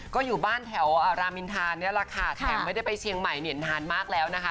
ก็อยู่บ้านแถวรามินทานี่แหละค่ะแถมไม่ได้ไปเชียงใหม่เนี่ยนานมากแล้วนะคะ